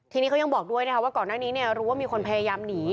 ทีนี้เขายังบอกด้วยนะคะว่าก่อนหน้านี้รู้ว่ามีคนพยายามหนี